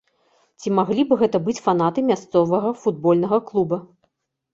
Ці маглі б гэта быць фанаты мясцовага футбольнага клуба?